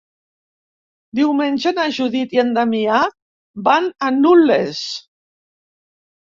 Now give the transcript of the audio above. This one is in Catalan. Diumenge na Judit i en Damià van a Nulles.